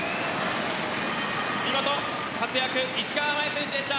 見事活躍石川真佑選手でした。